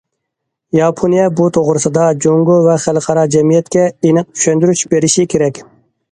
ياپونىيە بۇ توغرىسىدا جۇڭگو ۋە خەلقئارا جەمئىيەتكە ئېنىق چۈشەندۈرۈش بېرىشى كېرەك.